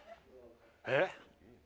えっ？